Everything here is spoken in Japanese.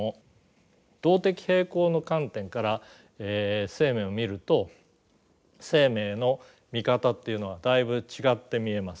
動的平衡の観点から生命を見ると生命の見方っていうのはだいぶ違って見えます。